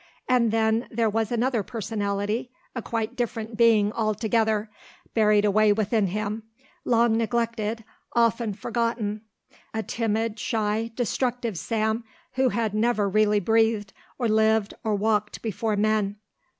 And then there was another personality, a quite different being altogether, buried away within him, long neglected, often forgotten, a timid, shy, destructive Sam who had never really breathed or lived or walked before men.